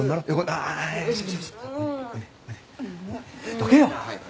どけよ！